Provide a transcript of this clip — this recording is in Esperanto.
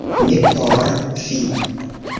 Ne por vi